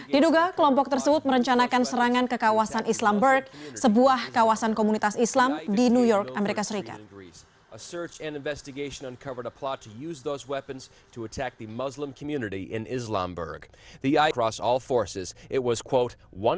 diduga kelompok tersebut merencanakan serangan ke kawasan islamberg sebuah kawasan komunitas islam di new york amerika serikat